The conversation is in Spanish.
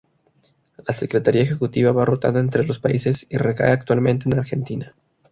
La secretaría ejecutiva va rotando entre los países y recae actualmente en Argentina.